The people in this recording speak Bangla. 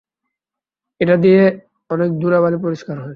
এটা দিয়ে অনেক ধুলোবালি পরিষ্কার হয়।